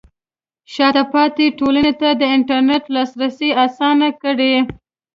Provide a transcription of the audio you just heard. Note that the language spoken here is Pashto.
شاته پاتې ټولنې ته د انټرنیټ لاسرسی اسانه کړئ.